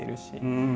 うん。